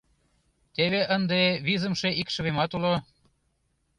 Теве ынде визымше икшывемат уло.